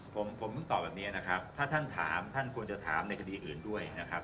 ผมผมต้องตอบแบบนี้นะครับถ้าท่านถามท่านควรจะถามในคดีอื่นด้วยนะครับ